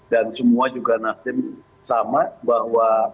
dan semua juga nasdem sama bahwa